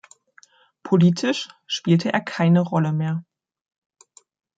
Politisch spielte er keine Rolle mehr.